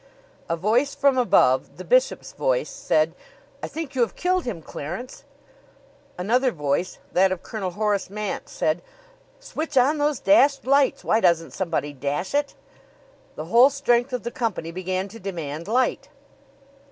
A voice from above, the bishop's voice, said: "I think you have killed him, Clarence." Another voice, that of Colonel Horace Mant, said: "Switch on those dashed lights! Why doesn't somebody? Dash it!" The whole strength of the company began to demand light.